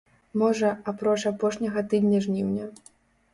Можа, апроч апошняга тыдня жніўня.